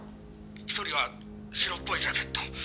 「１人は白っぽいジャケット